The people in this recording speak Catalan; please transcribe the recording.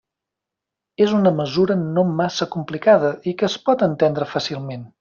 És una mesura no massa complicada i que es pot entendre fàcilment.